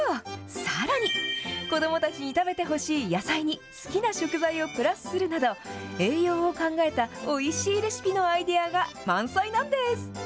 さらに、子どもたちに食べてほしい野菜に好きな食材をプラスするなど、栄養を考えたおいしいレシピのアイデアが満載なんです。